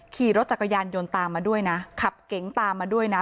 ขี่รถจักรยานยนต์ตามมาด้วยนะขับเก๋งตามมาด้วยนะ